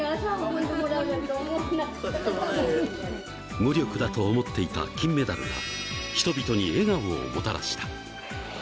無力だと思っていた金メダルが、人々に笑顔をもたらした。